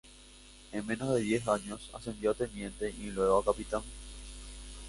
En menos de diez años ascendió a teniente y luego a capitán.